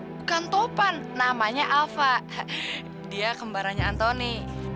bukan topan namanya alva dia kembarannya anthony